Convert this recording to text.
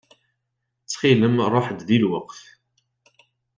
Ttxil-m ṛuḥ-d di lweqt.